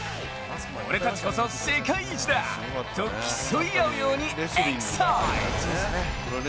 俺たちこそ世界一だ！と競い合うようにエキサイト！